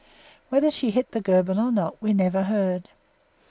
Whether she hit the Goeben or not we never heard.